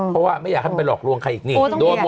เพราะว่าไม่อยากให้มันไปหลอกลวงใครอีกนี่